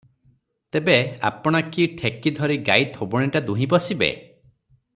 ତେବେ ଆପଣା କି ଠେକି ଧରି ଗାଈ ଥୋବଣିଟା ଦୁହିଁ ବସିବେ?